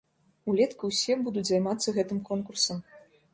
Улетку ўсе будуць займацца гэтым конкурсам.